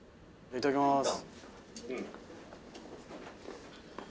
「いただきます」